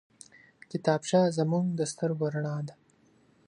کتابچه زموږ د سترګو رڼا ده